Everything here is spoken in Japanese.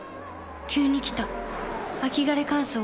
急に来た秋枯れ乾燥。